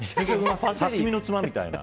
刺し身のつまみたいな。